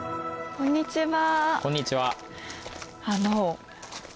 こんにちは。